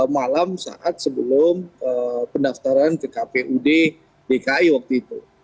malam saat sebelum pendaftaran ke kpud dki waktu itu